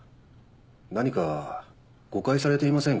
何か誤解されていませんか？